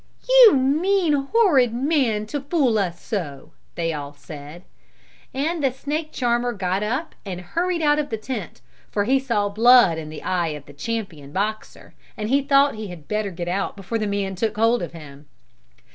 "You mean, horrid man to fool us so!" they all said. And the snake charmer got up and hurried out of the tent for he saw blood in the eye of the champion boxer and he thought he had better get out before the man took hold of him.